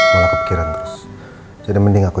malah kepikiran terus jadi mending aku